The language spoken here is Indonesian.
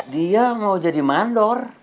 dia mau jadi mandor